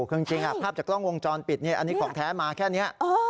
คือจริงภาพจากกล้องวงจรปิดอันนี้ของแท้มาแค่นี้